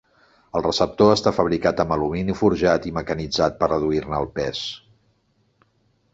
El receptor està fabricat amb alumini forjat i mecanitzat per reduir-ne el pes.